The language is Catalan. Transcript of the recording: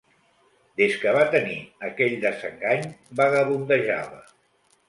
Des que va tenir aquell desengany, vagabundejava.